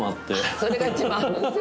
それが一番。